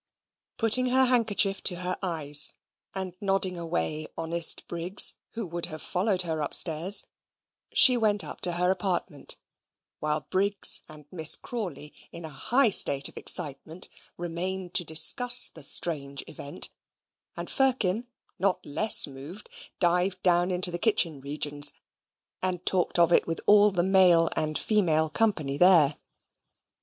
Putting her handkerchief to her eyes, and nodding away honest Briggs, who would have followed her upstairs, she went up to her apartment; while Briggs and Miss Crawley, in a high state of excitement, remained to discuss the strange event, and Firkin, not less moved, dived down into the kitchen regions, and talked of it with all the male and female company there.